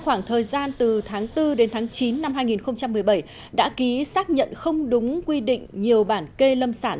khoảng thời gian từ tháng bốn đến tháng chín năm hai nghìn một mươi bảy đã ký xác nhận không đúng quy định nhiều bản kê lâm sản